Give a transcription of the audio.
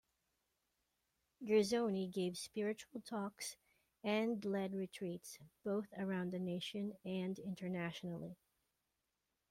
Girzone gave spiritual talks and led retreats, both around the nation and internationally.